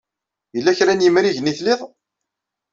Yella kra n yimrigen ay tlid?